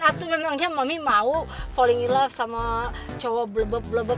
atuh memangnya mami mau falling in love sama cowok blablabla